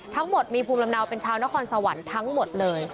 ทั้งหมดมีภูมิลำเนาเป็นชาวนครสวรรค์ทั้งหมดเลย